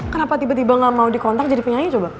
kenapa tiba tiba nggak mau dikontak jadi penyanyi coba